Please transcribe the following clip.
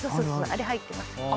あれ履いてます。